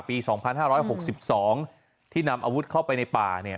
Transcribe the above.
ปี๒๕๖๒ที่นำอาวุธเข้าไปในป่าเนี่ย